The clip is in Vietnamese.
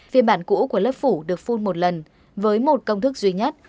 phiên bản cũ của lớp phủ được phun một lần với một công thức duy nhất